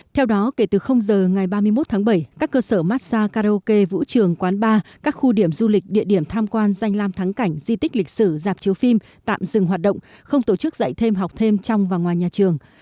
theo đó kể từ giờ ngày ba mươi một tháng bảy các cơ sở massag karaoke vũ trường quán bar các khu điểm du lịch địa điểm tham quan danh lam thắng cảnh di tích lịch sử giạp chiếu phim tạm dừng hoạt động không tổ chức dạy thêm học thêm trong và ngoài nhà trường